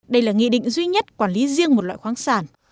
đây là nghị định duy nhất quản lý riêng một loại khoáng sản